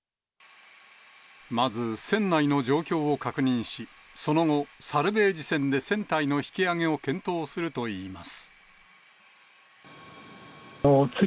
まず、船内の状況を確認し、その後、サルベージ船で船体の引き揚げを検討するといいます。